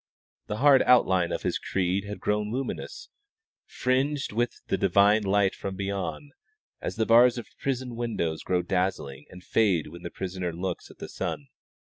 The hard outline of his creed had grown luminous, fringed with the divine light from beyond, as the bars of prison windows grow dazzling and fade when the prisoner looks at the sun.